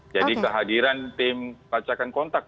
jadi kehadiran tim pelacakan kontak